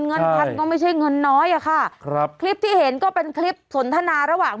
เงินพันก็ไม่ใช่เงินน้อยอะค่ะครับคลิปที่เห็นก็เป็นคลิปสนทนาระหว่าง